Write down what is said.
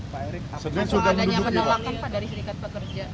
pak erick apa adanya penolakan pak dari serikat pekerja